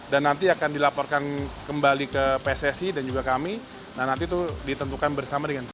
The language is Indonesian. dan nanti akan dilaporkan kembali ke pssi dan juga kami dan nanti itu ditentukan bersama dengan fifa